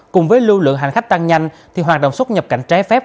cùng với lưu lượng hành khách tăng nhanh thì hoạt động xuất nhập cảnh trái phép